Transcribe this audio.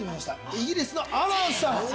イギリスのアランさん